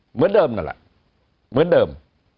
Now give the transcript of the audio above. เหมือนเดิมนั่นแหละเหมือนเดิม